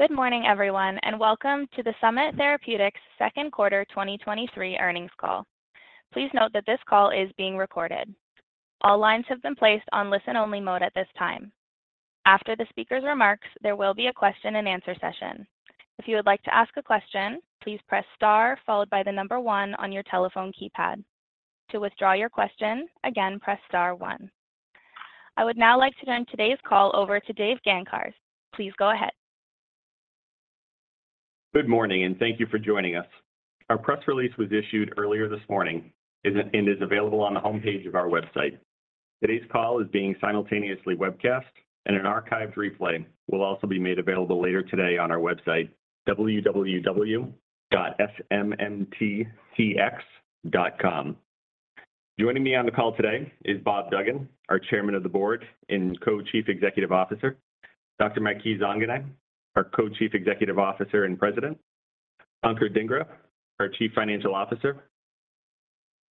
Good morning, everyone, welcome to the Summit Therapeutics Second Quarter 2023 Earnings Call. Please note that this call is being recorded. All lines have been placed on listen-only mode at this time. After the speaker's remarks, there will be a question-and-answer session. If you would like to ask a question, please press star followed by one on your telephone keypad. To withdraw your question, again, press star one. I would now like to turn today's call over to Dave Gancarz. Please go ahead. Good morning, and thank you for joining us. Our press release was issued earlier this morning and is available on the homepage of our website. Today's call is being simultaneously webcast, and an archived replay will also be made available later today on our website, www.smmttx.com. Joining me on the call today is Bob Duggan, our Chairman of the Board and Co-Chief Executive Officer; Dr. Maky Zanganeh, our Co-Chief Executive Officer and President; Ankur Dhingra, our Chief Financial Officer;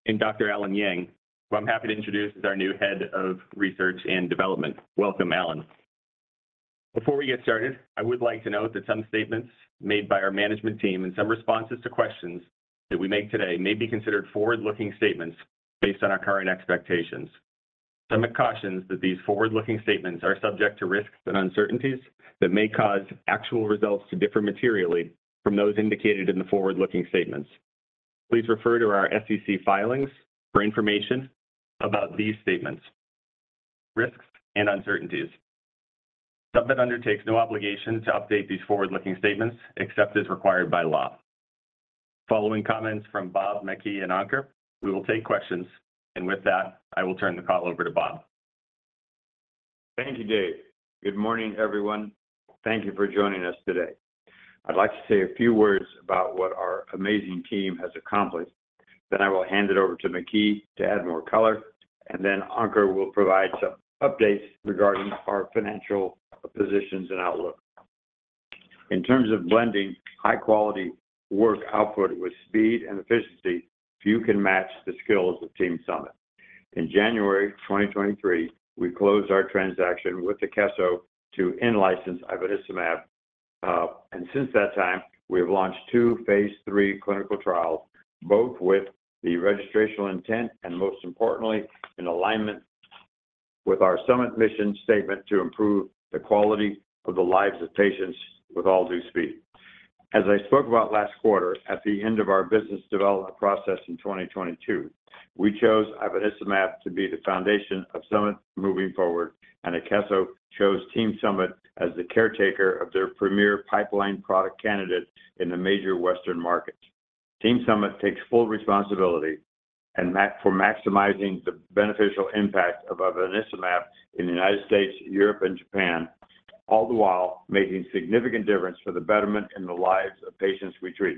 and Dr. Allen Yang, who I'm happy to introduce as our new Head of Research and Development. Welcome, Allen. Before we get started, I would like to note that some statements made by our management team and some responses to questions that we make today may be considered forward-looking statements based on our current expectations. Summit cautions that these forward-looking statements are subject to risks and uncertainties that may cause actual results to differ materially from those indicated in the forward-looking statements. Please refer to our SEC filings for information about these statements, risks, and uncertainties. Summit undertakes no obligation to update these forward-looking statements, except as required by law. Following comments from Bob, Maky, and Ankur, we will take questions. With that, I will turn the call over to Bob. Thank you, Dave. Good morning, everyone. Thank you for joining us today. I'd like to say a few words about what our amazing team has accomplished. I will hand it over to Maky to add more color, and then Ankur will provide some updates regarding our financial positions and outlook. In terms of blending high-quality work output with speed and efficiency, few can match the skills of Team Summit. In January 2023, we closed our transaction with Akeso to in-license ivonescimab, and since that time, we have launched two phase III clinical trials, both with the registrational intent and, most importantly, in alignment with our Summit mission statement to improve the quality of the lives of patients with all due speed. As I spoke about last quarter, at the end of our business development process in 2022, we chose ivonescimab to be the foundation of Summit moving forward, and Akeso chose Team Summit as the caretaker of their premier pipeline product candidate in the major Western market. Team Summit takes full responsibility for maximizing the beneficial impact of ivonescimab in the United States, Europe, and Japan, all the while making significant difference for the betterment in the lives of patients we treat.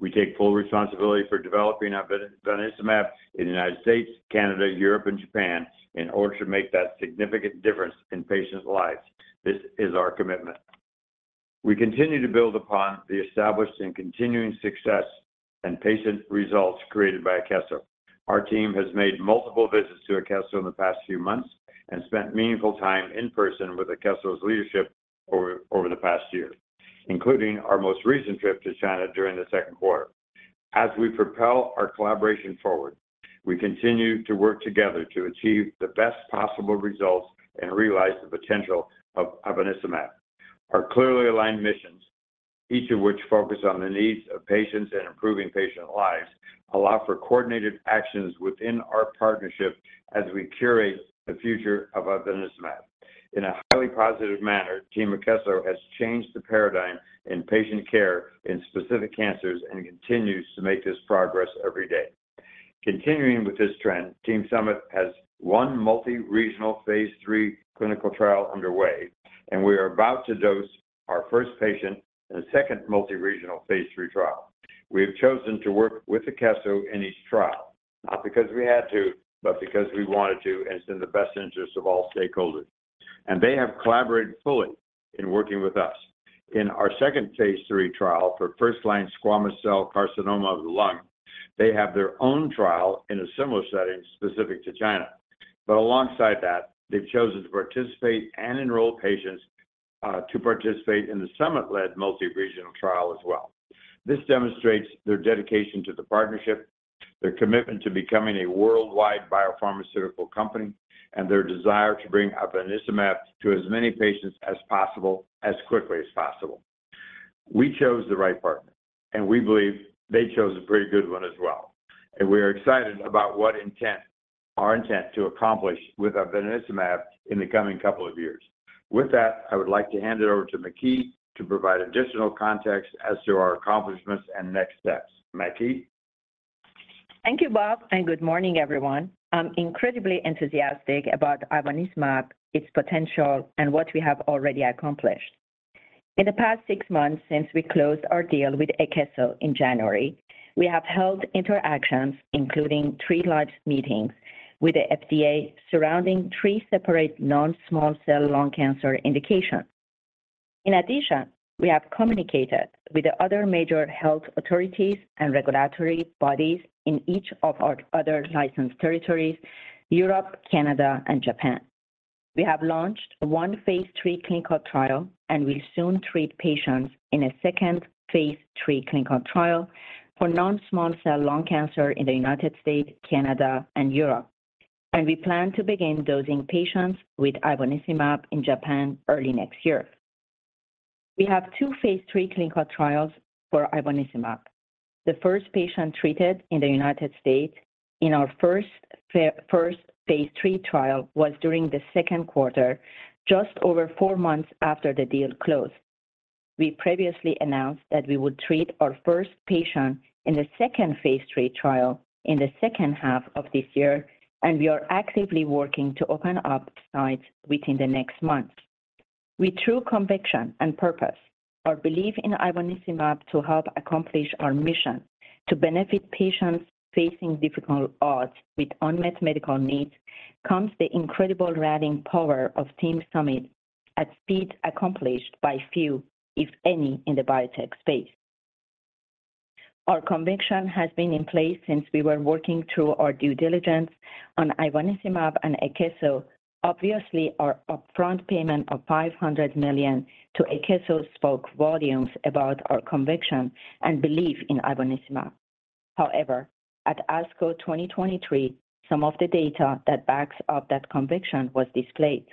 We take full responsibility for developing ivonescimab in the United States, Canada, Europe, and Japan in order to make that significant difference in patients' lives. This is our commitment. We continue to build upon the established and continuing success and patient results created by Akeso. Our team has made multiple visits to Akeso in the past few months and spent meaningful time in person with Akeso's leadership over the past year, including our most recent trip to China during the second quarter. As we propel our collaboration forward, we continue to work together to achieve the best possible results and realize the potential of ivonescimab. Our clearly aligned missions, each of which focus on the needs of patients and improving patient lives, allow for coordinated actions within our partnership as we curate the future of ivonescimab. In a highly positive manner, Team Akeso has changed the paradigm in patient care in specific cancers and continues to make this progress every day. Continuing with this trend, Team Summit has one multi-regional phase III clinical trial underway, and we are about to dose our first patient in a second multi-regional phase III trial. We have chosen to work with Akeso in each trial, not because we had to, but because we wanted to, and it's in the best interest of all stakeholders, and they have collaborated fully in working with us. In our second phase III trial for first-line squamous cell carcinoma of the lung, they have their own trial in a similar setting specific to China. Alongside that, they've chosen to participate and enroll patients to participate in the Summit-led multi-regional trial as well. This demonstrates their dedication to the partnership, their commitment to becoming a worldwide biopharmaceutical company, and their desire to bring ivonescimab to as many patients as possible, as quickly as possible. We chose the right partner, and we believe they chose a pretty good one as well, and we are excited about what are intent to accomplish with ivonescimab in the coming couple of years. With that, I would like to hand it over to Maky to provide additional context as to our accomplishments and next steps. Maky? Thank you, Bob, and good morning, everyone. I'm incredibly enthusiastic about ivonescimab, its potential, and what we have already accomplished. In the past six months, since we closed our deal with Akeso in January, we have held interactions, including three large meetings with the FDA surrounding three separate non-small cell lung cancer indications. In addition, we have communicated with the other major health authorities and regulatory bodies in each of our other licensed territories, Europe, Canada, and Japan. We have launched one phase III clinical trial, and we'll soon treat patients in a second phase III clinical trial for non-small cell lung cancer in the United States, Canada, and Europe, and we plan to begin dosing patients with ivonescimab in Japan early next year. We have two phase III clinical trials for ivonescimab. The first patient treated in the United States in our first phase III trial was during the second quarter, just over four months after the deal closed. We previously announced that we would treat our first patient in the second phase III trial in the second half of this year, and we are actively working to open up sites within the next month. With true conviction and purpose, our belief in ivonescimab to help accomplish our mission to benefit patients facing difficult odds with unmet medical needs, comes the incredible rallying power of Team Summit at speed accomplished by few, if any, in the biotech space. Our conviction has been in place since we were working through our due diligence on ivonescimab and Akeso. Obviously, our upfront payment of $500 million to Akeso spoke volumes about our conviction and belief in ivonescimab. However, at ASCO 2023, some of the data that backs up that conviction was displayed.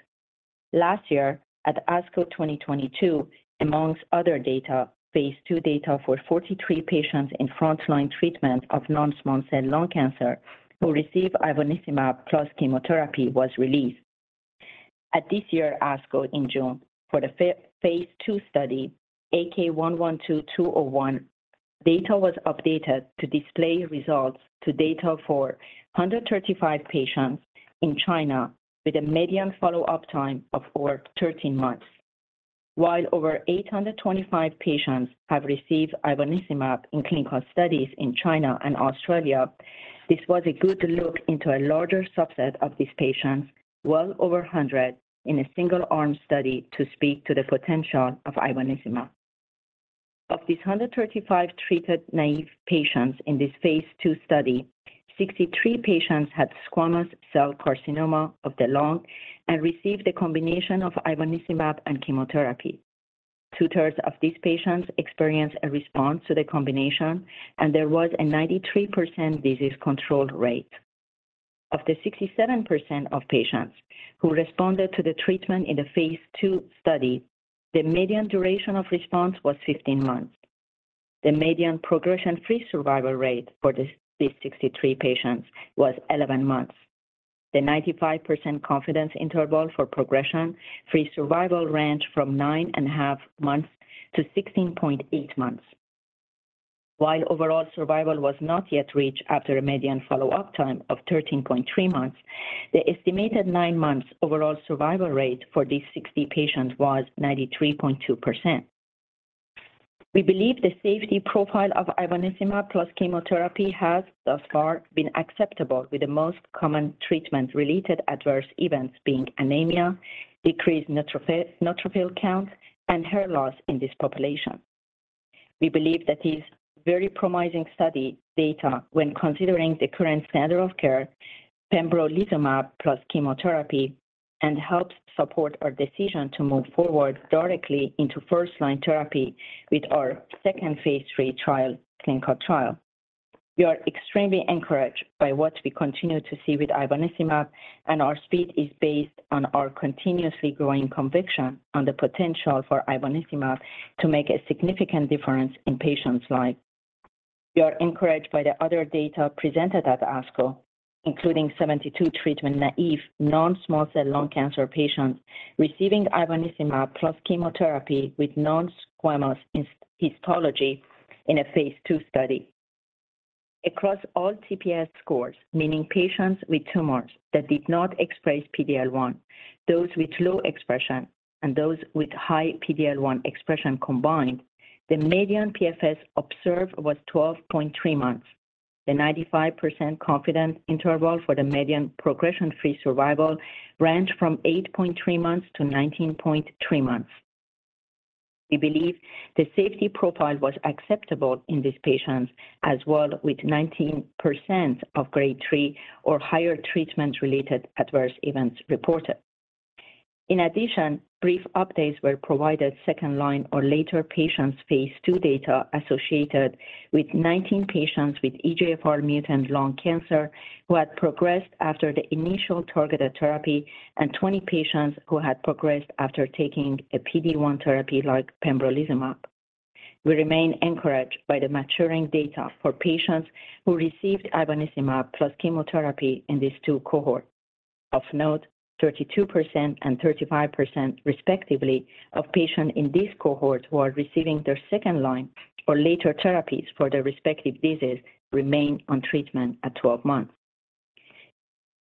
Last year at ASCO 2022, amongst other data, Phase II data for 43 patients in frontline treatment of non-small cell lung cancer who received ivonescimab plus chemotherapy was released. At this year's ASCO in June, for the Phase II study, AK112-201, data was updated to display results to data for 135 patients in China with a median follow-up time of over 13 months. While over 825 patients have received ivonescimab in clinical studies in China and Australia, this was a good look into a larger subset of these patients, well over 100, in a single-arm study to speak to the potential of ivonescimab. Of these 135 treated naive patients in this phase II study, 63 patients had squamous cell carcinoma of the lung and received a combination of ivonescimab and chemotherapy. 2/3 of these patients experienced a response to the combination, and there was a 93% disease control rate. Of the 67% of patients who responded to the treatment in the phase II study, the median duration of response was 15 months. The median progression-free survival rate for these 63 patients was 11 months. The 95% confidence interval for progression-free survival ranged from 9.5 months-16.8 months. While overall survival was not yet reached after a median follow-up time of 13.3 months, the estimated nine months overall survival rate for these 60 patients was 93.2%. We believe the safety profile of ivonescimab plus chemotherapy has thus far been acceptable, with the most common treatment-related adverse events being anemia, decreased neutrophil count, and hair loss in this population. We believe that is very promising study data when considering the current standard of care, pembrolizumab plus chemotherapy, and helps support our decision to move forward directly into first-line therapy with our second phase III trial, clinical trial. We are extremely encouraged by what we continue to see with ivonescimab, and our speed is based on our continuously growing conviction on the potential for ivonescimab to make a significant difference in patients' lives. We are encouraged by the other data presented at ASCO, including 72 treatment-naive, non-small cell lung cancer patients receiving ivonescimab plus chemotherapy with non-squamous histology in a phase II study. Across all TPS scores, meaning patients with tumors that did not express PD-L1, those with low expression and those with high PD-L1 expression combined, the median PFS observed was 12.3 months. The 95% confidence interval for the median progression-free survival ranged from 8.3 months to 19.3 months. We believe the safety profile was acceptable in these patients as well, with 19% of grade three or higher treatment-related adverse events reported. In addition, brief updates were provided second-line or later patients phase II data associated with 19 patients with EGFR mutant lung cancer who had progressed after the initial targeted therapy and 20 patients who had progressed after taking a PD-1 therapy like pembrolizumab. We remain encouraged by the maturing data for patients who received ivonescimab plus chemotherapy in these two cohorts. Of note, 32% and 35%, respectively, of patients in this cohort who are receiving their second-line or later therapies for their respective disease, remain on treatment at 12 months.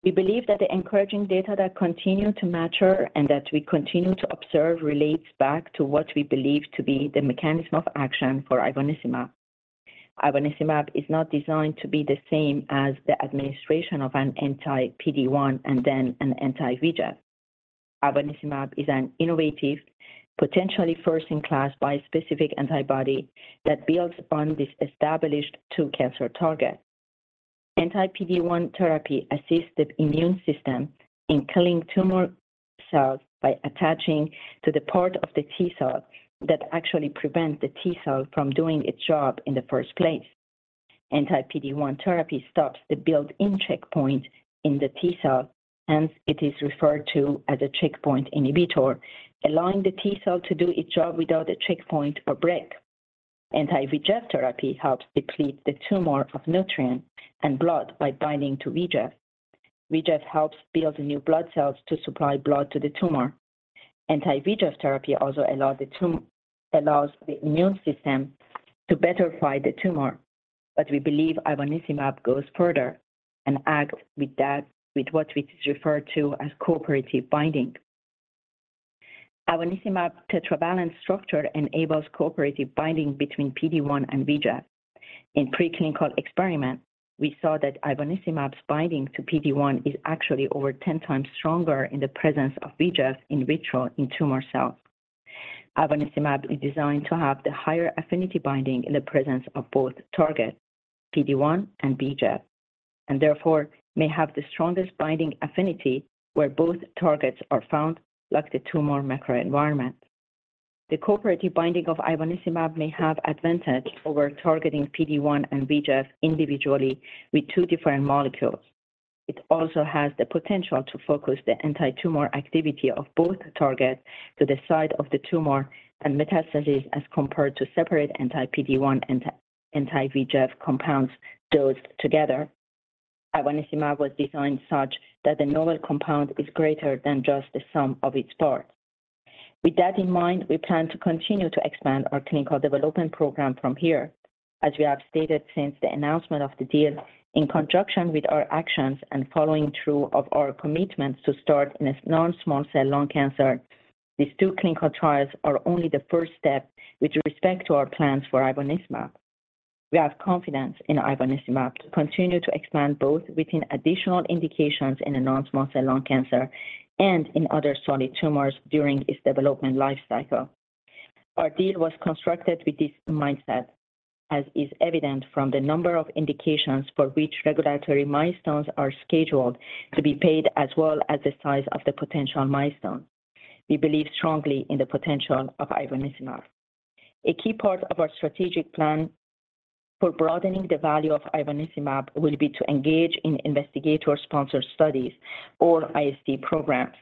We believe that the encouraging data that continue to mature and that we continue to observe relates back to what we believe to be the mechanism of action for ivonescimab. Ivonescimab is not designed to be the same as the administration of an anti-PD-1 and then an anti-VEGF. Ivonescimab is an innovative, potentially first-in-class bispecific antibody that builds upon these established two cancer targets. Anti-PD-1 therapy assists the immune system in killing tumor cells by attaching to the part of the T cell that actually prevents the T cell from doing its job in the first place. Anti-PD-1 therapy stops the built-in checkpoint in the T cell, hence it is referred to as a checkpoint inhibitor, allowing the T cell to do its job without a checkpoint or break. Anti-VEGF therapy helps deplete the tumor of nutrients and blood by binding to VEGF. VEGF helps build new blood cells to supply blood to the tumor. We believe ivonescimab goes further and acts with that, with what we refer to as cooperative binding. Ivonescimab tetravalent structure enables cooperative binding between PD-1 and VEGF. In preclinical experiments, we saw that ivonescimab's binding to PD-1 is actually over 10x stronger in the presence of VEGF, in vitro in tumor cells. Ivonescimab is designed to have the higher affinity binding in the presence of both targets, PD-1 and VEGF, and therefore may have the strongest binding affinity where both targets are found, like the tumor microenvironment. The cooperative binding of ivonescimab may have advantage over targeting PD-1 and VEGF individually with two different molecules. It also has the potential to focus the anti-tumor activity of both targets to the site of the tumor and metastases, as compared to separate anti-PD-1 and anti-VEGF compounds dosed together. Ivonescimab was designed such that the novel compound is greater than just the sum of its parts. With that in mind, we plan to continue to expand our clinical development program from here. As we have stated since the announcement of the deal, in conjunction with our actions and following through of our commitments to start in a non-small cell lung cancer, these two clinical trials are only the first step with respect to our plans for ivonescimab. We have confidence in ivonescimab to continue to expand both within additional indications in the non-small cell lung cancer and in other solid tumors during its development life cycle. Our deal was constructed with this mindset, as is evident from the number of indications for which regulatory milestones are scheduled to be paid, as well as the size of the potential milestone. We believe strongly in the potential of ivonescimab. A key part of our strategic plan for broadening the value of ivonescimab will be to engage in investigator-sponsored studies or ISD programs.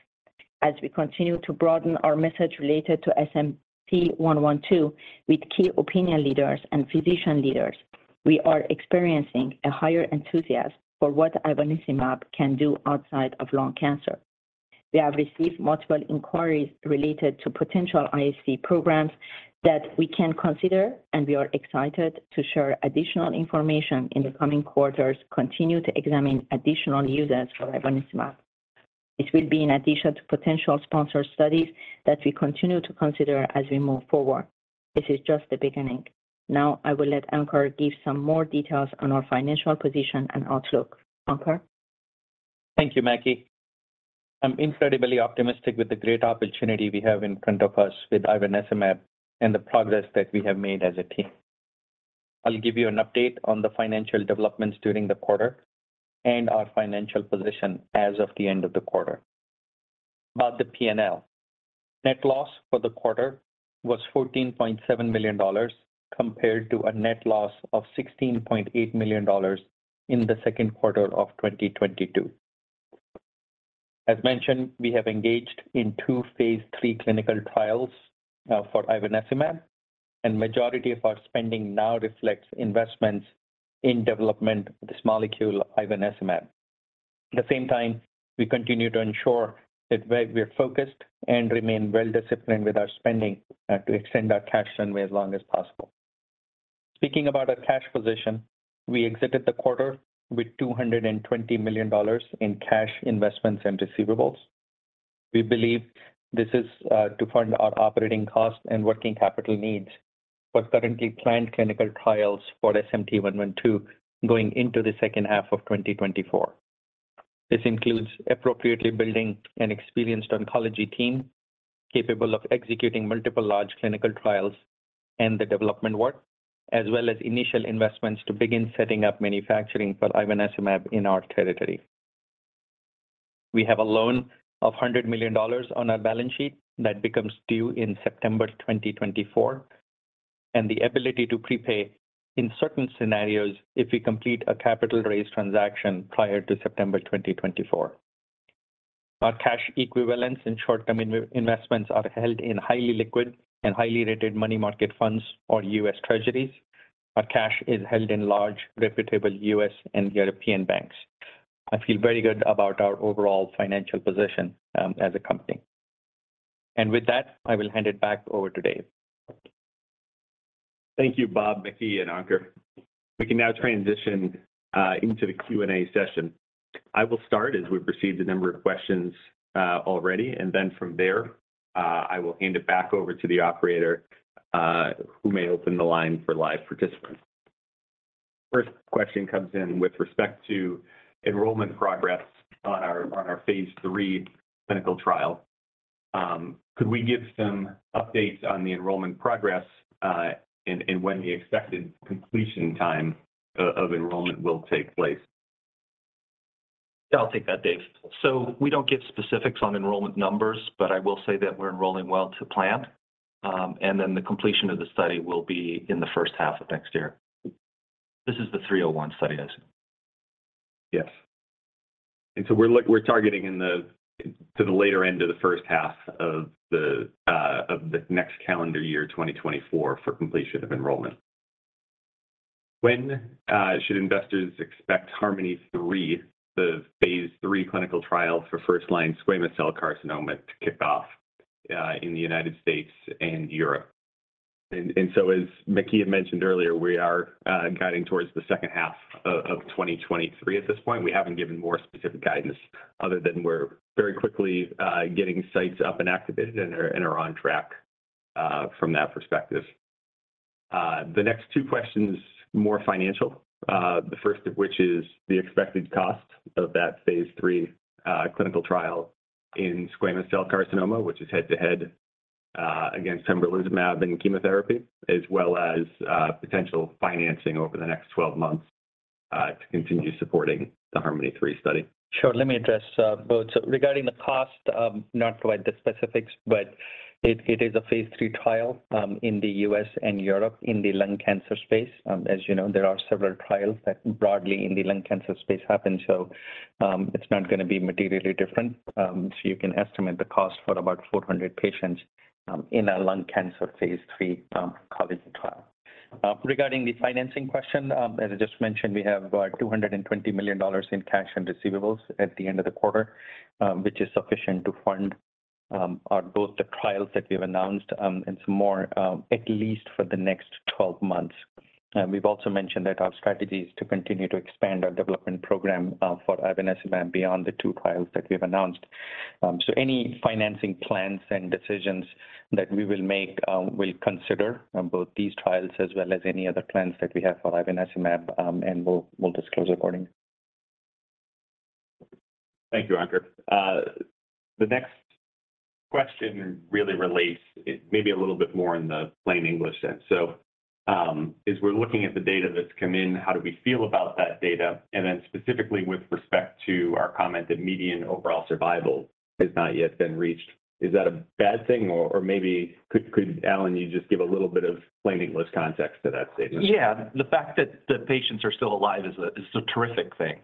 As we continue to broaden our message related to SMT112 with key opinion leaders and physician leaders, we are experiencing a higher enthusiasm for what ivonescimab can do outside of lung cancer. We have received multiple inquiries related to potential ISD programs that we can consider, we are excited to share additional information in the coming quarters, continue to examine additional uses for ivonescimab. This will be in addition to potential sponsored studies that we continue to consider as we move forward. This is just the beginning. Now, I will let Ankur give some more details on our financial position and outlook. Ankur? Thank you, Maky. I'm incredibly optimistic with the great opportunity we have in front of us with ivonescimab and the progress that we have made as a team. I'll give you an update on the financial developments during the quarter and our financial position as of the end of the quarter. About the PNL: Net loss for the quarter was $14.7 million, compared to a net loss of $16.8 million in the second quarter of 2022. As mentioned, we have engaged in two phase III clinical trials for ivonescimab, and majority of our spending now reflects investments in development of this molecule, ivonescimab. At the same time, we continue to ensure that we, we are focused and remain well disciplined with our spending to extend our cash runway as long as possible. Speaking about our cash position, we exited the quarter with $220 million in cash investments and receivables. We believe this is to fund our operating costs and working capital needs for currently planned clinical trials for SMT112, going into the second half of 2024. This includes appropriately building an experienced oncology team, capable of executing multiple large clinical trials and the development work, as well as initial investments to begin setting up manufacturing for ivonescimab in our territory. We have a loan of $100 million on our balance sheet that becomes due in September 2024, and the ability to prepay in certain scenarios if we complete a capital raise transaction prior to September 2024. Our cash equivalents and short-term investments are held in highly liquid and highly rated money market funds or U.S. Treasuries. Our cash is held in large, reputable U.S. and European banks. I feel very good about our overall financial position, as a company. With that, I will hand it back over to Dave. Thank you, Bob, Maky, and Ankur. We can now transition into the Q&A session. I will start as we've received a number of questions already, and then from there, I will hand it back over to the operator, who may open the line for live participants. First question comes in with respect to enrollment progress on our, on our phase III clinical trial. Could we give some updates on the enrollment progress, and when the expected completion time of enrollment will take place? Yeah, I'll take that, Dave. We don't give specifics on enrollment numbers, but I will say that we're enrolling well to plan. The completion of the study will be in the first half of next year. This is the 301 study, that is. Yes. we're look- we're targeting in the, to the later end of the first half of the of the next calendar year, 2024, for completion of enrollment. When should investors expect HARMONi-3, the phase III clinical trial for first-line squamous cell carcinoma, to kick off in the United States and Europe? As Maky had mentioned earlier, we are guiding towards the second half of 2023 at this point. We haven't given more specific guidance other than we're very quickly getting sites up and activated and are, and are on track from that perspective. The next two questions, more financial. The first of which is the expected cost of that phase III clinical trial in squamous cell carcinoma, which is head-to-head against pembrolizumab and chemotherapy, as well as potential financing over the next 12 months to continue supporting the HARMONi-3 study. Sure. Let me address, both. Regarding the cost, not provide the specifics, but it, it is a phase III trial, in the U.S. and Europe in the lung cancer space. As you know, there are several trials that broadly in the lung cancer space happen, so, it's not gonna be materially different. So you can estimate the cost for about 400 patients, in a lung cancer phase III, colleague trial. Regarding the financing question, as I just mentioned, we have about $220 million in cash and receivables at the end of the quarter, which is sufficient to fund, both the trials that we've announced, and some more, at least for the next 12 months. We've also mentioned that our strategy is to continue to expand our development program for ivonescimab beyond the two trials that we have announced. Any financing plans and decisions that we will make, will consider both these trials as well as any other plans that we have for ivonescimab, and we'll, we'll disclose accordingly. Thank you, Ankur. The next question really relates, it maybe a little bit more in the plain English sense. As we're looking at the data that's come in, how do we feel about that data? And then specifically with respect to our comment that median overall survival has not yet been reached, is that a bad thing? Maybe Allen, you just give a little bit of plain English context to that statement? Yeah. The fact that the patients are still alive is a terrific thing.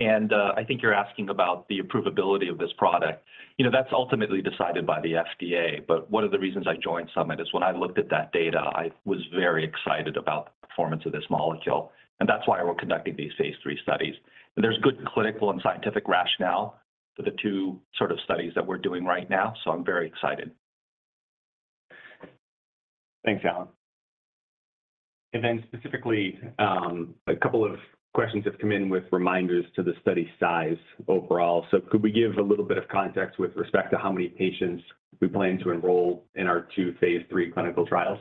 I think you're asking about the approvability of this product. You know, that's ultimately decided by the FDA, but one of the reasons I joined Summit is when I looked at that data, I was very excited about the performance of this molecule, and that's why we're conducting these phase III studies. There's good clinical and scientific rationale for the two sort of studies that we're doing right now, so I'm very excited. Thanks, Allen. Specifically, a couple of questions have come in with reminders to the study size overall. Could we give a little bit of context with respect to how many patients we plan to enroll in our two phase III clinical trials?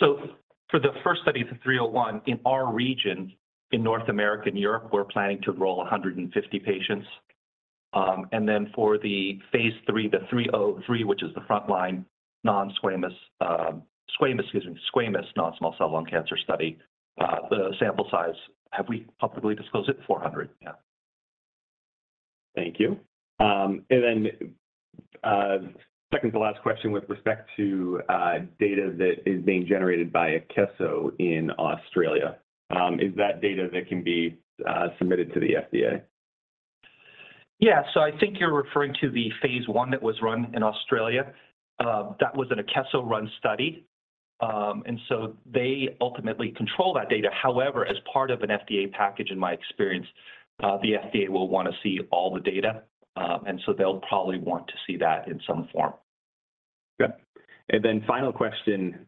For the first study, the 301, in our region, in North America and Europe, we're planning to enroll 150 patients. Then for the phase III, the 303, which is the frontline non-squamous, squamous, excuse me, squamous non-small cell lung cancer study, the sample size, have we publicly disclosed it? 400, yeah. Thank you. Second to last question with respect to data that is being generated by Akeso in Australia. Is that data that can be submitted to the FDA? Yeah. I think you're referring to the phase I that was run in Australia. That was an Akeso-run study, and so they ultimately control that data. However, as part of an FDA package, in my experience, the FDA will wanna see all the data, and so they'll probably want to see that in some form. Okay. And then final question,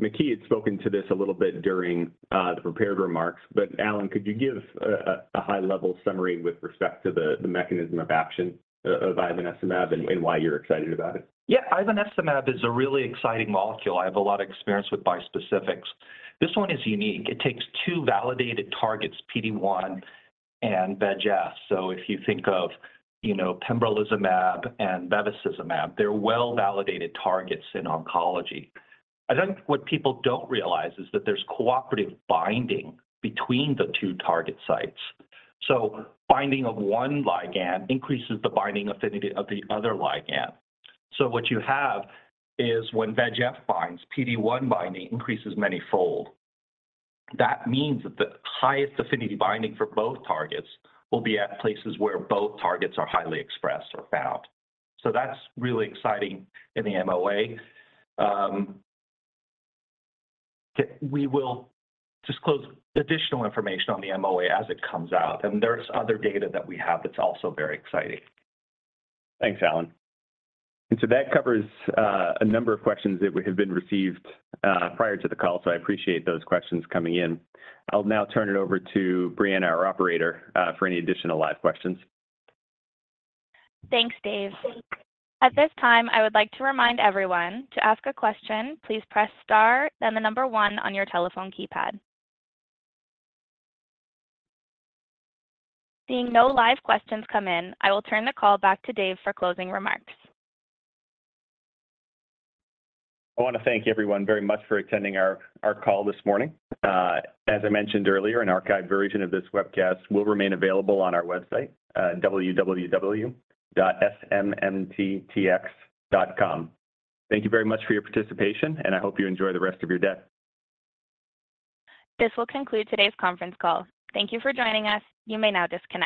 Maky had spoken to this a little bit during, the prepared remarks, but Allen, could you give a high-level summary with respect to the mechanism of action of ivonescimab and why you're excited about it? Yeah. Ivonescimab is a really exciting molecule. I have a lot of experience with bispecifics. This one is unique. It takes two validated targets, PD-1 and VEGF. If you think of, you know, pembrolizumab and bevacizumab, they're well-validated targets in oncology. I think what people don't realize is that there's cooperative binding between the two target sites. Binding of one ligand increases the binding affinity of the other ligand. What you have is when VEGF binds, PD-1 binding increases manyfold. That means that the highest affinity binding for both targets will be at places where both targets are highly expressed or found. That's really exciting in the MOA. We will disclose additional information on the MOA as it comes out, and there's other data that we have that's also very exciting. Thanks, Allen. So that covers, a number of questions that we have been received, prior to the call, so I appreciate those questions coming in. I'll now turn it over to Brianna, our operator, for any additional live questions. Thanks, Dave. At this time, I would like to remind everyone to ask a question, please press star, then the number one on your telephone keypad. Seeing no live questions come in, I will turn the call back to Dave for closing remarks. I wanna thank everyone very much for attending our call this morning. As I mentioned earlier, an archived version of this webcast will remain available on our website, www.smmttx.com. Thank you very much for your participation, and I hope you enjoy the rest of your day. This will conclude today's conference call. Thank you for joining us. You may now disconnect.